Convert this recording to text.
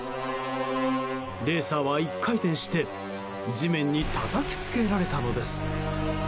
レーサーは１回転して地面にたたきつけられたのです。